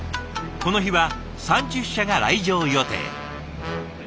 この日は３０社が来場予定。